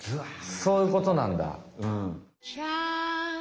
そういうことなんだうん。